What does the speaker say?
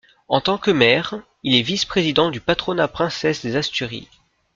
En tant que maire, il est vice-président du Patronat Princesse des Asturies.